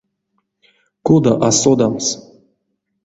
Кода а содамс.